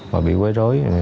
và bị quấy rối